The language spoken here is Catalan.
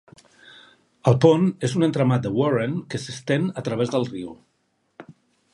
El pont és un entramat de Warren que s'estén a través del riu.